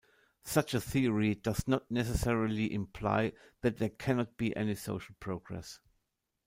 Such a theory does not necessarily imply that there cannot be any social progress.